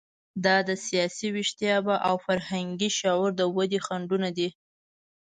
دا د سیاسي ویښتیابه او فرهنګي شعور د ودې خنډونه دي.